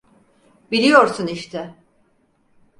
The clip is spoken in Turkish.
Biliyorsun işte…